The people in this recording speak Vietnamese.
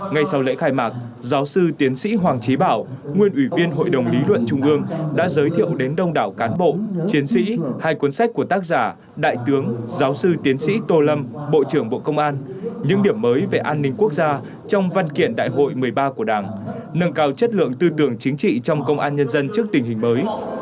ngay sau lễ khai mạc giáo sư tiến sĩ hoàng trí bảo nguyên ủy viên hội đồng lý luận trung ương đã giới thiệu đến đông đảo cán bộ chiến sĩ hai cuốn sách của tác giả đại tướng giáo sư tiến sĩ tô lâm bộ trưởng bộ công an những điểm mới về an ninh quốc gia trong văn kiện đại hội một mươi ba của đảng nâng cao chất lượng tư tưởng chính trị trong công an nhân dân trước tình hình mới